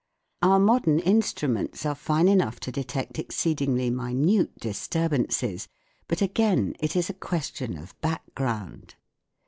Our modern instruments are fine enough to detect exceedingly minute disturbances ; but again it is a question of background.